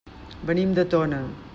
Venim de Tona.